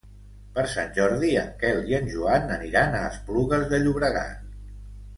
Per Sant Jordi en Quel i en Joan aniran a Esplugues de Llobregat.